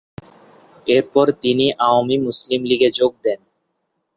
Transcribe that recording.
এরপর তিনি আওয়ামী মুসলিম লীগে যোগ দেন।